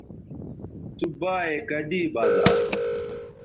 تو بایئے کدی بزا